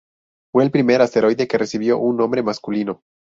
Fue el primer asteroide que recibió un nombre masculino.